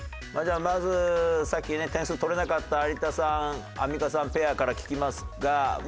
まずさっきね点数取れなかった有田さん・アンミカさんペアから聞きますが。